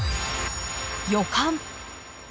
「予感」。